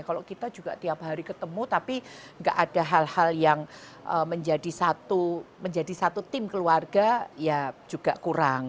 kalau kita juga tiap hari ketemu tapi nggak ada hal hal yang menjadi satu tim keluarga ya juga kurang